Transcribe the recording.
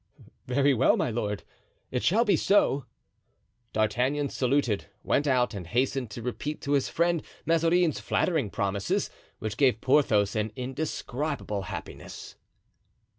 "Very well, my lord; it shall be so." D'Artagnan saluted, went out and hastened to repeat to his friend Mazarin's flattering promises, which gave Porthos an indescribable happiness.